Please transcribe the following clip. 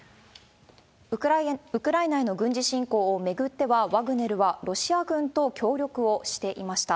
ウクライナへの軍事侵攻を巡っては、ワグネルはロシア軍と協力をしていました。